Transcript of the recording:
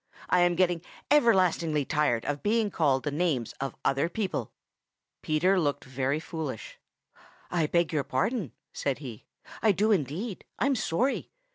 I am getting everlastingly tired of being called the names of other people." Peter looked very foolish. "I beg your pardon," said he. "I do indeed. I'm sorry.